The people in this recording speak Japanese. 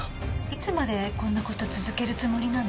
いつまでこんな事続けるつもりなの？